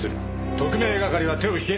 特命係は手を引け。